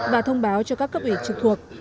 và thông báo cho các cấp ủy trực thuộc